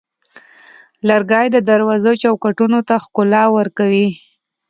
لرګی د دروازو چوکاټونو ته ښکلا ورکوي.